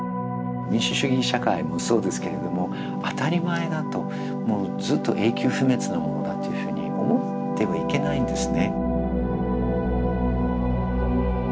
民主主義社会もそうですけれども当たり前だとずっと永久不滅のものだというふうに思ってはいけないんですね。